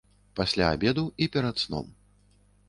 Пасля абеду і перад сном.